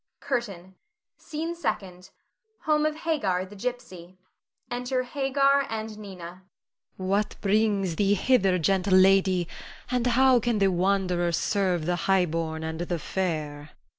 CURTAIN. SCENE SECOND. [Home of Hagar, the gypsy. Enter Hagar and Nina.] Hagar. What brings thee hither, gentle lady, and how can the wanderer serve the high born and the fair?